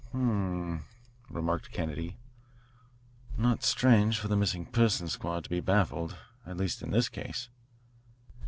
"H m," remarked Kennedy; "not strange for the Missing Persons Squad to be baffled at least, at this case."